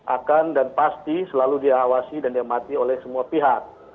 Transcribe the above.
akan dan pasti selalu diawasi dan diamati oleh semua pihak